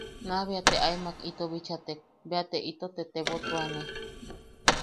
Naa bea te amak ito bichatek bea te ito tetebotuane.